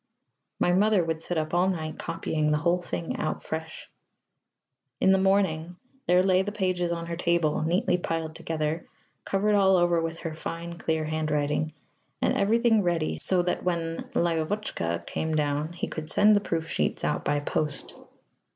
My mother would sit up all night copying the whole thing out afresh. In the morning there lay the pages on her table, neatly piled together, covered all over with her fine, clear handwriting, and everything ready, so that when "Lyóvotchka" came down he could send the proof sheets out by post.